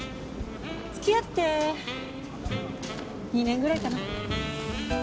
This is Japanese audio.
付き合って２年ぐらいかな？